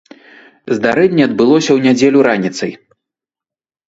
Здарэнне адбылося ў нядзелю раніцай.